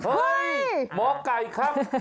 เฮ่ยหมอไก่ครับ